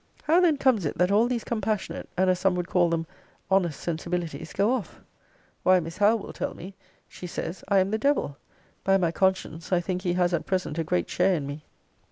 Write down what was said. How then comes it, that all these compassionate, and, as some would call them, honest sensibilities go off! Why, Miss Howe will tell thee: she says, I am the devil. By my conscience, I think he has at present a great share in me.